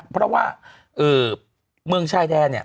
เพราะว่าเมืองช่ายแดน